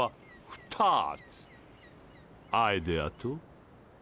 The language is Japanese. アイデアとーー。